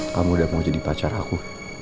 kamu udah mau jadi pacar aku